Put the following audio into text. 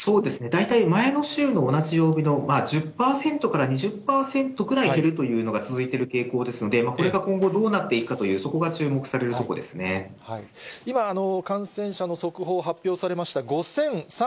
大体前の週の同じ曜日の１０％から２０％くらい減るというのが続いてる傾向ですので、これが今後、どうなっていくかという、そこが今、感染者の速報、発表されました。